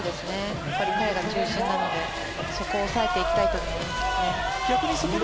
彼が中心なのでそこを抑えていきたいですね。